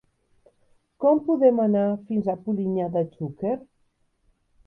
Com podem anar fins a Polinyà de Xúquer?